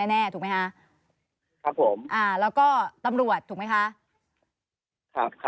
แน่ถูกไหมคะครับผมอ่าแล้วก็ตำรวจถูกไหมคะครับ